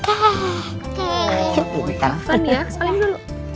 oke kita lanjut